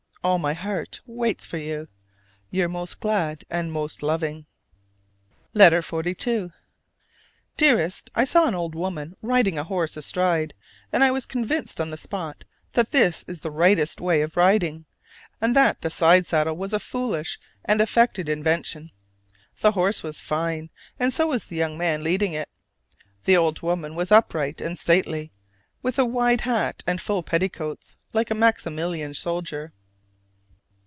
All my heart waits for you. Your most glad and most loving. LETTER XLII. Dearest: I saw an old woman riding a horse astride: and I was convinced on the spot that this is the rightest way of riding, and that the sidesaddle was a foolish and affected invention. The horse was fine, and so was the young man leading it: the old woman was upright and stately, with a wide hat and full petticoats like a Maximilian soldier.